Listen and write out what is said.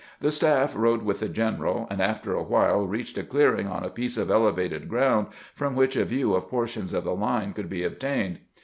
The staff rode with the general, and after a while reached a clear ing on a piece of elevated ground from which a view of portions of the line could be obtained.